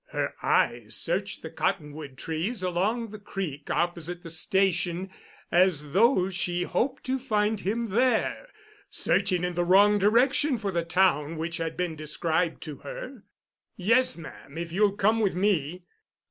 Her eyes searched the cottonwood trees along the creek opposite the station, as though she hoped to find him there, searching in the wrong direction for the town which had been described to her. "Yes, ma'am, if you'll come with me."